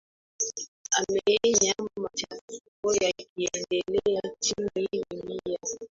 ameonya machafuko yakiendelea nchini libya